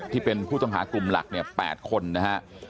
ที่เป็นผู้ต้องหากลุ่มหลัก๘คนนะครับ